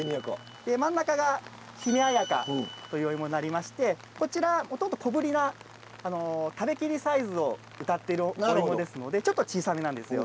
真ん中がひめあやかというおいもになりましてこちらもともと小ぶりな食べきりサイズをうたっているおいもですのでちょっと小さめなんですよ。